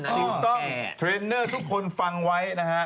ถูกต้องเทรนเนอร์ทุกคนฟังไว้นะฮะ